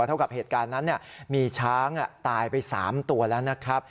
เท่ากับเหตุการณ์นั้นมีช้างตายไป๓ตัวแล้วนะครับ